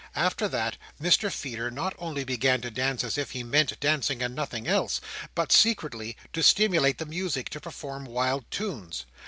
After that, Mr Feeder not only began to dance as if he meant dancing and nothing else, but secretly to stimulate the music to perform wild tunes.